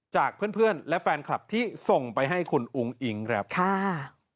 จากเพื่อนเพื่อนและแฟนคลับที่ส่งไปให้คุณอุ้งอิ๊งครับค่ะ